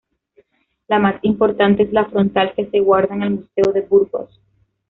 La más importante es la frontal, que se guarda en el Museo de Burgos.